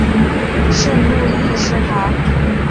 圣路易士哈！